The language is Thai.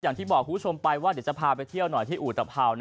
อย่างที่บอกคุณผู้ชมไปว่าเดี๋ยวจะพาไปเที่ยวหน่อยที่อุตภาว